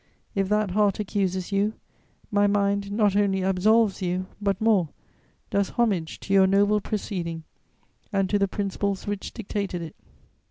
If that heart accuses you, my mind not only absolves you, but more, does homage to your noble proceeding and to the principles which dictated it.